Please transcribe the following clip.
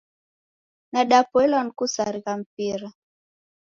Nadapoilwa ni kusarigha mpira.